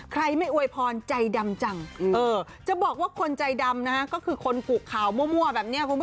ใครไม่อวยพรใจดำจัง